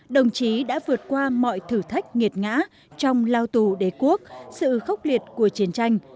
đồng chí đã vượt qua mọi thử thách nghiệt ngã trong lao tù đế quốc sự khốc liệt của chiến tranh